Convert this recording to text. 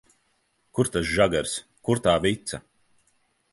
Kur tas žagars, kur tā vica?